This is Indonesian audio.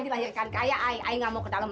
i dilahirkan kaya i i gak mau ke dalam i